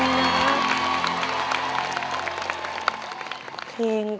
จากน้องคุณนะ